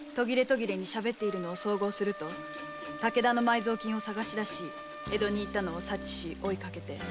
しゃべっているのを総合すると武田の埋蔵金を探しだし江戸に行ったのを察知し追いかけて。